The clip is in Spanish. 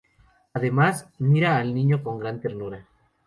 Además, mira al Niño con gran ternura.